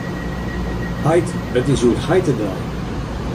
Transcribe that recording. Heit! It is hjoed heitedei.